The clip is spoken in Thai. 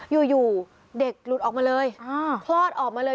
อยู่เด็กหลุดออกมาเลยคลอดออกมาเลย